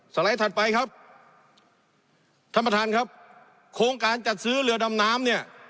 ไลด์ถัดไปครับท่านประธานครับโครงการจัดซื้อเรือดำน้ำเนี่ย